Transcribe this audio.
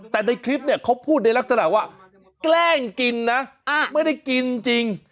แต่ในคลิปเนี่ยเขาพูดในลักษณะว่าแกล้งกินนะไม่ได้กินจริง